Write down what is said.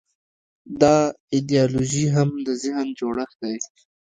دا ایدیالوژي هم د ذهن جوړښت دی.